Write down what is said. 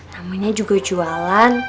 namanya juga jualan